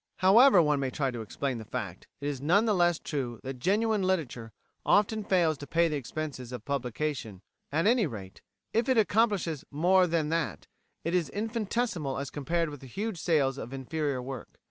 However one may try to explain the fact, it is none the less true that genuine literature often fails to pay the expenses of publication; at any rate, if it accomplishes more than that, it is infinitesimal as compared with the huge sales of inferior work.